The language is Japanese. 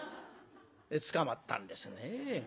捕まったんですね。